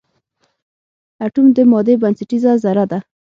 اټوم د مادې بنسټیزه ذره ده.